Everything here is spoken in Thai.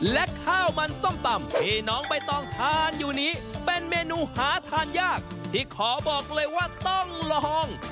และข้าวมันส้มตำที่น้องใบตองทานอยู่นี้เป็นเมนูหาทานยากที่ขอบอกเลยว่าต้องลอง